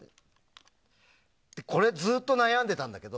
これ、ずっと悩んでたんだけど。